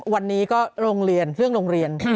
วันนี้ก็เรื่องโรงเรียน